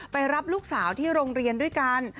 ไปรับลูกสาวที่โรงเรียนด้วยกัน